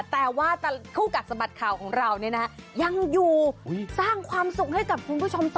แต่ว่าคู่กัดสะบัดข่าวของเราเนี่ยนะยังอยู่สร้างความสุขให้กับคุณผู้ชมต่อ